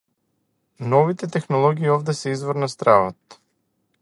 Новите технологии овде се извор на стравот.